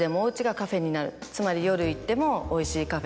つまり夜行ってもおいしいカフェ。